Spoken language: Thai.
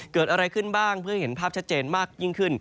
เกิดอะไรขึ้นบ้างเพื่อให้เห็นภาพชัดเจนมากยิ่งขึ้น